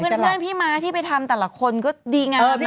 เจ็บทีเดียว